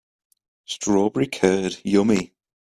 Strawberry curd, yummy!